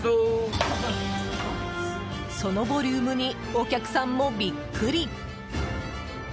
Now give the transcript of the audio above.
そのボリュームにお客さんもビックリ！